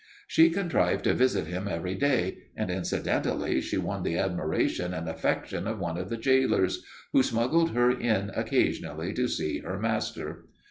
"She contrived to visit him every day, and incidentally she won the admiration and affection of one of the jailers, who smuggled her in occasionally to see her master.